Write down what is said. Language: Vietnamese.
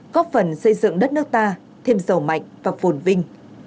góp phần xây dựng đất nước ta thêm giàu mạnh và phồn vinh